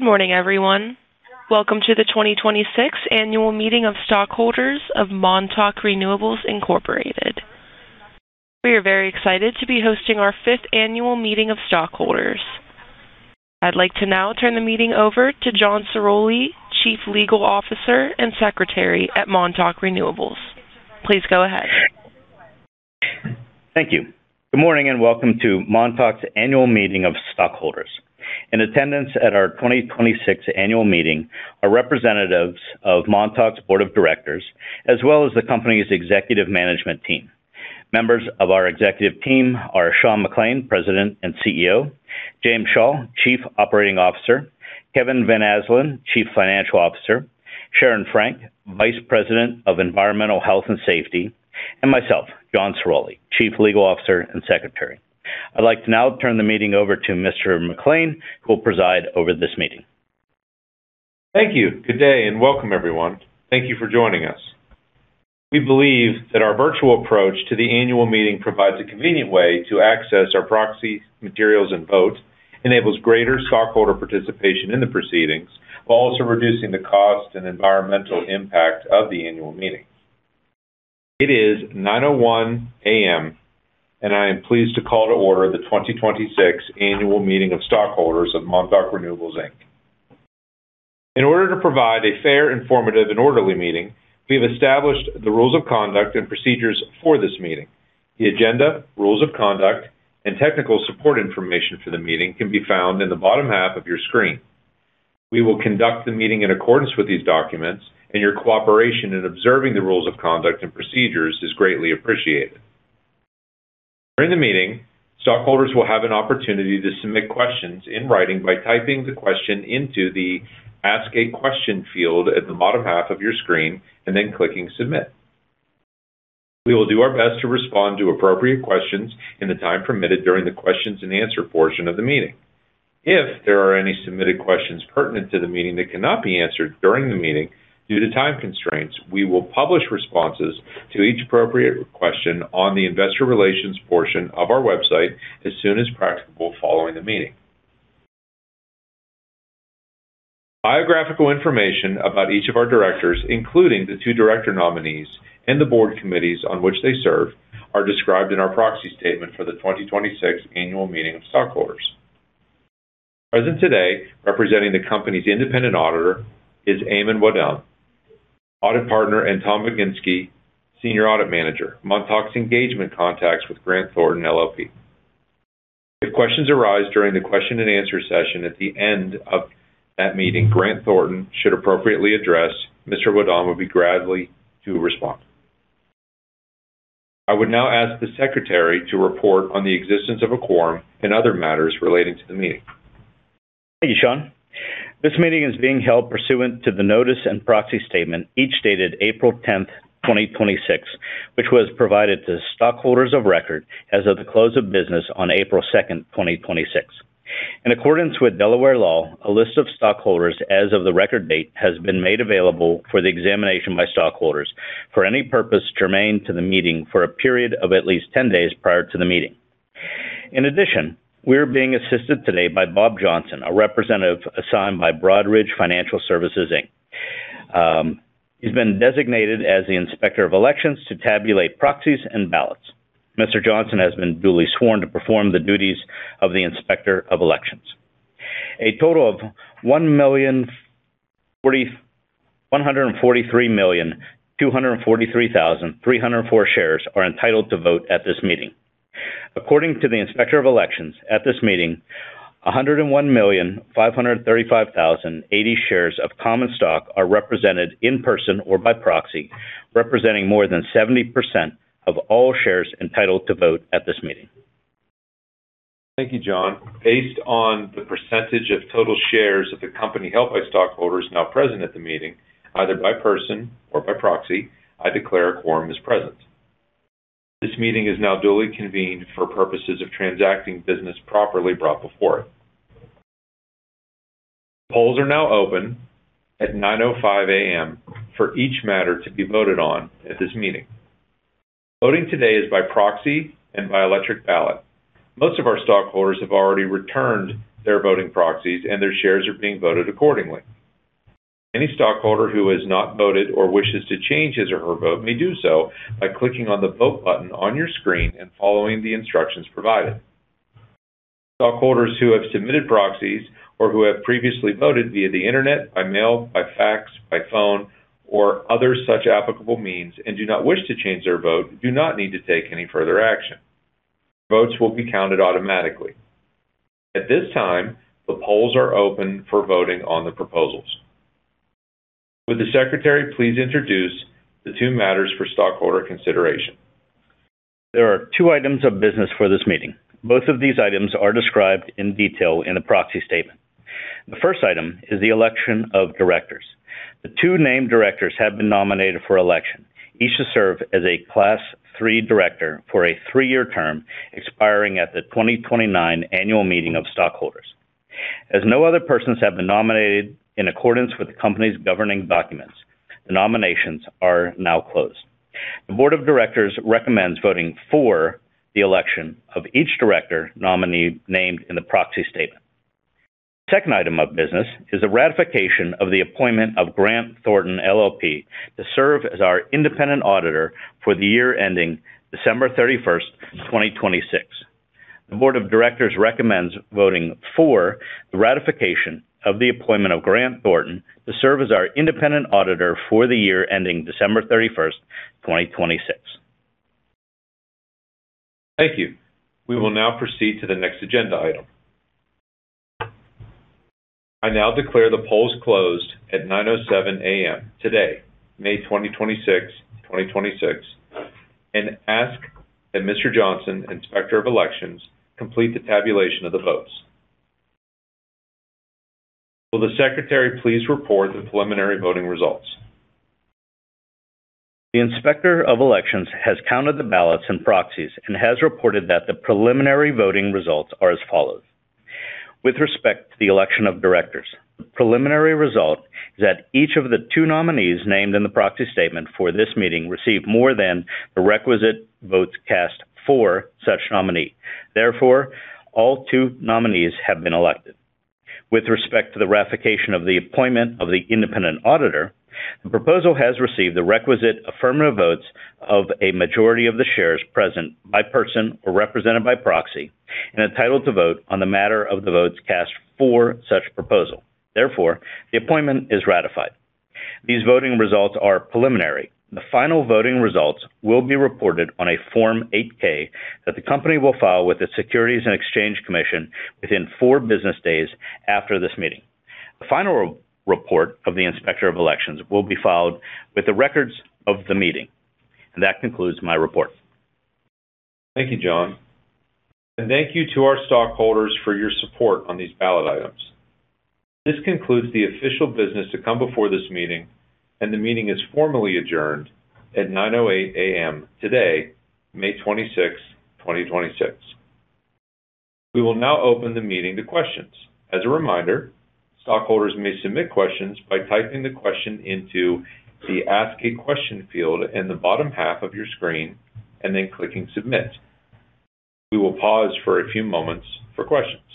Good morning, everyone. Welcome to the 2026 Annual Meeting of Stockholders of Montauk Renewables, Incorporated. We are very excited to be hosting our fifth annual meeting of stockholders. I'd like to now turn the meeting over to John Ciroli, Chief Legal Officer and Secretary at Montauk Renewables. Please go ahead. Thank you. Good morning and welcome to Montauk's Annual Meeting of Stockholders. In attendance at our 2026 annual meeting are representatives of Montauk's Board of Directors, as well as the company's executive management team. Members of our executive team are Sean McClain, President and CEO, James Shaw, Chief Operating Officer, Kevin Van Asdalan, Chief Financial Officer, Sharon Frank, Vice President of Environmental Health and Safety, and myself, John Ciroli, Chief Legal Officer and Secretary. I'd like to now turn the meeting over to Mr. McClain, who will preside over this meeting. Thank you. Good day and welcome everyone. Thank you for joining us. We believe that our virtual approach to the annual meeting provides a convenient way to access our proxy materials and vote, enables greater stockholder participation in the proceedings, while also reducing the cost and environmental impact of the annual meeting. It is 9:01 A.M., and I am pleased to call to order the 2026 Annual Meeting of Stockholders of Montauk Renewables, Inc. In order to provide a fair, informative, and orderly meeting, we have established the rules of conduct and procedures for this meeting. The agenda, rules of conduct, and technical support information for the meeting can be found in the bottom half of your screen. We will conduct the meeting in accordance with these documents, and your cooperation in observing the rules of conduct and procedures is greatly appreciated. During the meeting, stockholders will have an opportunity to submit questions in writing by typing the question into the Ask-a-Question field at the bottom half of your screen and then clicking Submit. We will do our best to respond to appropriate questions in the time permitted during the questions and answer portion of the meeting. If there are any submitted questions pertinent to the meeting that cannot be answered during the meeting due to time constraints, we will publish responses to each appropriate question on the investor relations portion of our website as soon as practicable following the meeting. Biographical information about each of our directors, including the two director nominees and the board committees on which they serve, are described in our proxy statement for the 2026 annual meeting of stockholders. Present today, representing the company's independent auditor, is [Eamonn Wadon], Audit Partner, and Tom Baginski, Senior Audit Manager, Montauk's engagement contacts with Grant Thornton LLP. If questions arise during the question-and-answer session at the end of that meeting Grant Thornton should appropriately address. [Mr. Wadon] will be gladly to respond. I would now ask the Secretary to report on the existence of a quorum and other matters relating to the meeting. Thank you, Sean. This meeting is being held pursuant to the notice and proxy statement, each dated April 10th, 2026, which was provided to stockholders of record as of the close of business on April 2nd, 2026. In accordance with Delaware law, a list of stockholders as of the record date has been made available for the examination by stockholders for any purpose germane to the meeting for a period of at least 10 days prior to the meeting. In addition, we're being assisted today by Bob Johnson, a representative assigned by Broadridge Financial Services, Inc. He's been designated as the Inspector of Elections to tabulate proxies and ballots. Mr. Johnson has been duly sworn to perform the duties of the Inspector of Elections. A total of 143,243,304 shares are entitled to vote at this meeting. According to the Inspector of Elections at this meeting, 101,535,080 shares of common stock are represented in person or by proxy, representing more than 70% of all shares entitled to vote at this meeting. Thank you, John. Based on the percentage of total shares of the company held by stockholders now present at the meeting, either by person or by proxy, I declare a quorum is present. This meeting is now duly convened for purposes of transacting business properly brought before it. Polls are now open at 9:05 A.M. for each matter to be voted on at this meeting. Voting today is by proxy and by electric ballot. Most of our stockholders have already returned their voting proxies and their shares are being voted accordingly. Any stockholder who has not voted or wishes to change his or her vote may do so by clicking on the vote button on your screen and following the instructions provided. Stockholders who have submitted proxies or who have previously voted via the internet, by mail, by fax, by phone, or other such applicable means and do not wish to change their vote do not need to take any further action. Votes will be counted automatically. At this time, the polls are open for voting on the proposals. Would the Secretary please introduce the two matters for stockholder consideration? There are two items of business for this meeting. Both of these items are described in detail in the proxy statement. The first item is the election of directors. The two named directors have been nominated for election, each to serve as a Class III director for a three-year term expiring at the 2029 annual meeting of stockholders. As no other persons have been nominated in accordance with the company's governing documents, the nominations are now closed. The board of directors recommends voting for the election of each director nominee named in the proxy statement. The second item of business is the ratification of the appointment of Grant Thornton LLP to serve as our independent auditor for the year ending December 31st, 2026. The board of directors recommends voting for the ratification of the appointment of Grant Thornton to serve as our independent auditor for the year ending December 31st, 2026. Thank you. We will now proceed to the next agenda item. I now declare the polls closed at 9:07 A.M. today, May 26, 2026, and ask that Mr. Johnson, Inspector of Elections, complete the tabulation of the votes. Will the Secretary please report the preliminary voting results? The Inspector of Elections has counted the ballots and proxies and has reported that the preliminary voting results are as follows. With respect to the election of directors, the preliminary result is that each of the two nominees named in the proxy statement for this meeting received more than the requisite votes cast for such nominee. Therefore, all two nominees have been elected. With respect to the ratification of the appointment of the independent auditor, the proposal has received the requisite affirmative votes of a majority of the shares present by person or represented by proxy and entitled to vote on the matter of the votes cast for such proposal. Therefore, the appointment is ratified. These voting results are preliminary, and the final voting results will be reported on a Form 8-K that the company will file with the Securities and Exchange Commission within four business days after this meeting. The final report of the Inspector of Elections will be filed with the records of the meeting. That concludes my report. Thank you, John. Thank you to our stockholders for your support on these ballot items. This concludes the official business to come before this meeting, and the meeting is formally adjourned at 9:08 A.M. today, May 26, 2026. We will now open the meeting to questions. As a reminder, stockholders may submit questions by typing the question into the Ask-a-Question field in the bottom half of your screen and then clicking Submit. We will pause for a few moments for questions.